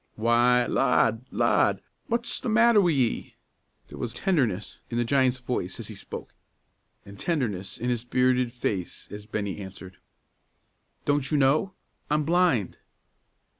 "Why, lad! lad! What's the matter wi' ye?" There was tenderness in the giant's voice as he spoke, and tenderness in his bearded face as Bennie answered, "Don't you know? I'm blind."